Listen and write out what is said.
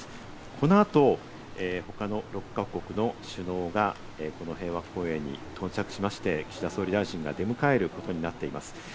この後、他の６か国の首脳が平和公園に到着しまして、岸田総理大臣が出迎えることになっています。